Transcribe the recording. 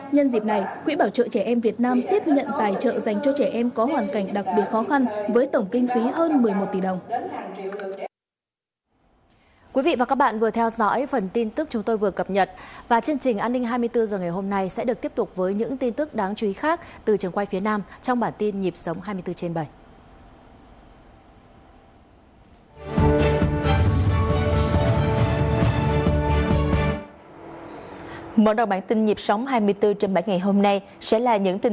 nhân dịp này quỹ bảo trợ trẻ em việt nam tiếp nhận tài trợ dành cho trẻ em có hoàn cảnh đặc biệt khó khăn với tổng kinh phí hơn một mươi một tỷ đồng